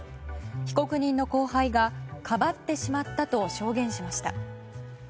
被告人の後輩がかばってしまったと証言しました。